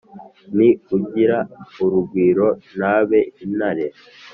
Ni ugira urugwiro ntabe intare